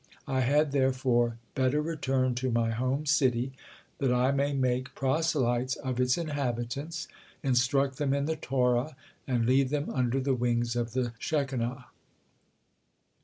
I had, therefore, better return to my home city that I may make proselytes of its inhabitants, instruct them in the Torah, and lead them under the wings of the Shekinah."